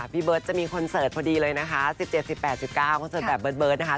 พี่เบิร์ตจะมีคอนเสิร์ตพอดีเลยนะคะ๑๗๑๘๑๙คอนเสิร์ตแบบเบิร์ตนะคะ